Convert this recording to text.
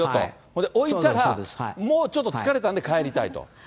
それで置いたら、もうちょっと疲れたんで帰りたいと。